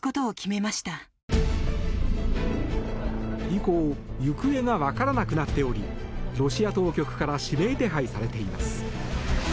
以降行方がわからなくなっておりロシア当局から指名手配されています。